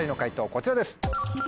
こちらです。